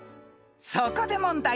［そこで問題］